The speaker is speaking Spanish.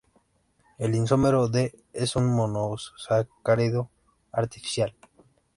El isómero D es un monosacárido artificial.